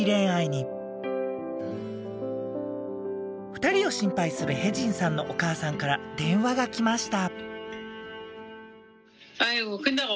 ２人を心配するヘジンさんのお母さんから電話が来ました。